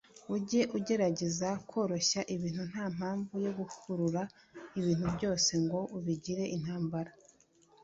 ujye ugerageza koroshya ibintu nta mpamvu yo gukurura ibintu byose ngo ubigire intambara